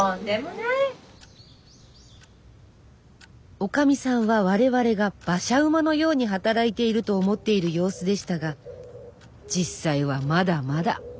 おかみさんは我々が馬車馬のように働いていると思っている様子でしたが実際はまだまだ。